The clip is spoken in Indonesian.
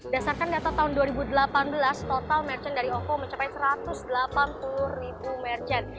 dasarkan data tahun dua ribu delapan belas total merchant dari ovo mencapai satu ratus delapan puluh ribu merchant